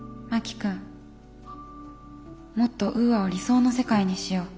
もっとウーアを理想の世界にしよう。